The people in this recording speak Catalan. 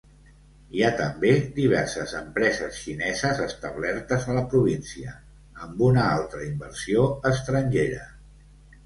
Hi ha també diverses empreses xineses establertes a la província, amb una altra inversió estrangera.